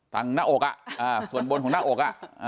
หน้าอกส่วนบนของหน้าอก